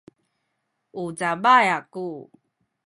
u cabay aku